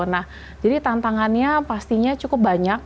nah jadi tantangannya pastinya cukup banyak